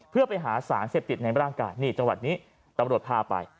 เพื่อไปหาสารเสพติดในร่างกายนี่จังหวัดนี้ตำรวจพาไป